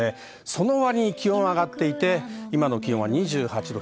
そのわりに気温は上がっていて、今は２８度。